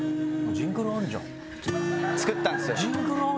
ジングルあるじゃ作ったんですよ